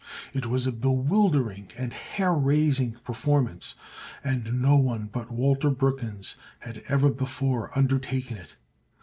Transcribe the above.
It was a bewildering and hair raising performance, and no one but Walter Brookins had ever before undertaken it.